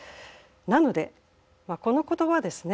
なのでまあこの言葉ですね。